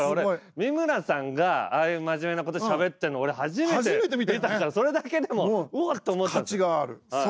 三村さんがああいう真面目なことしゃべってるの俺初めて見たからそれだけでも「おっ」と思っちゃった。